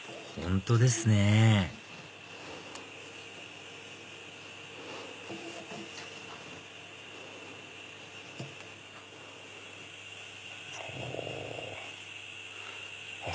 本当ですねお。